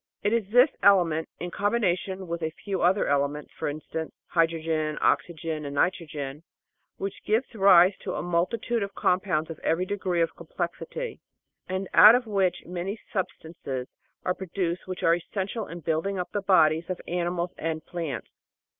It is this ele ment, in combination with a few other elements, for instance, hydrogen, oxygen, and nitrogen, which gives rise to a multitude of compounds of every degree of complexity, and out of which many substances are produced which are essential in building up the bodies of animals and plants.